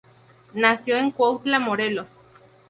Nació en Cuautla, Morelos.